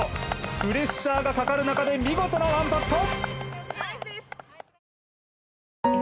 プレッシャーがかかる中で見事なワンパット！